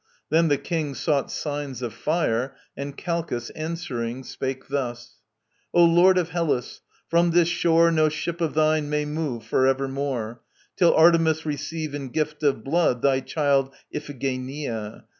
Then the King Sought signs of fire, and Calchas answering Spake thus: "O Lord of Hellas, from this shore No ship of thine may move for evermore, Till Artemis receive in gift of blood Thy child, Iphigenia.